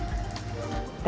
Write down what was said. memulai usaha cuan ki instan